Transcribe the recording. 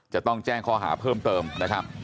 จะต้องแจ้งข้อหาเพิ่มเติมนะครับ